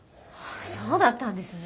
そうだったんですね。